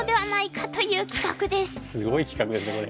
すごい企画ですねこれ。